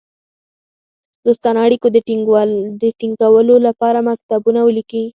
دوستانه اړېکو د تینګولو لپاره مکتوبونه ولیکي.